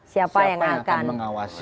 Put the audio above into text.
siapa yang akan mengawasi